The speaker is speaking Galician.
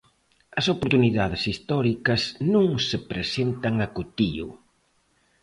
As oportunidades históricas non se presentan acotío.